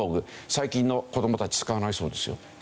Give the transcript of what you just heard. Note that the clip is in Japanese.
最近の子どもたち使わないそうですよ。